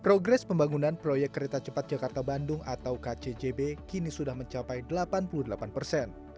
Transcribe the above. progres pembangunan proyek kereta cepat jakarta bandung atau kcjb kini sudah mencapai delapan puluh delapan persen